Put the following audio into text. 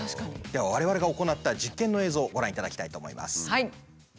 では我々が行った実験の映像をご覧いただきたいと思います。